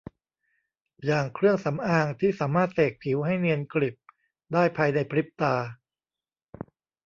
อย่างเครื่องสำอางที่สามารถเสกผิวให้เนียนกริบได้ภายในพริบตา